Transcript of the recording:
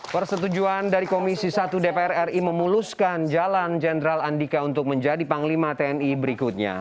persetujuan dari komisi satu dpr ri memuluskan jalan jenderal andika untuk menjadi panglima tni berikutnya